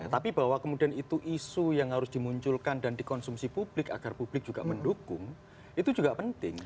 tapi bahwa kemudian itu isu yang harus dimunculkan dan dikonsumsi publik agar publik juga mendukung itu juga penting